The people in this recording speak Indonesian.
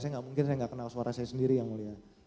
saya nggak mungkin saya nggak kenal suara saya sendiri yang mulia